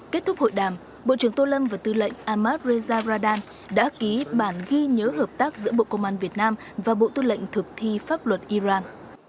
kết thúc hội đàm bộ trưởng tô lâm và tư lệnh ahmad reza radan đã ký bản ghi nhớ hợp tác giữa bộ công an việt nam và bộ tư lệnh thực thi pháp luật iran